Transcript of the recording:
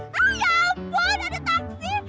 ya ampun ada taksi